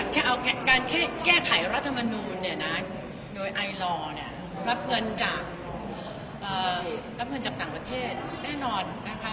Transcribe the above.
การแก้ไขรัฐมนูลโดยไอล่อรับเงินจากต่างประเทศแน่นอนนะคะ